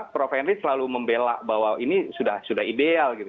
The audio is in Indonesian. prof henry selalu membela bahwa ini sudah ideal gitu